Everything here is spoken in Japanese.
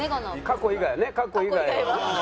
過去以外は。